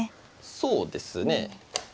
そうですね。